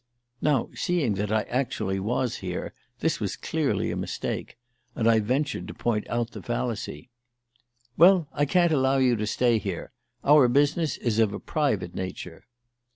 Now, seeing that I actually was here, this was clearly a mistake, and I ventured to point out the fallacy. "Well, I can't allow you to stay here. Our business is of a private nature."